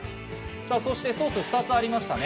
そしてソースが２つありましたね。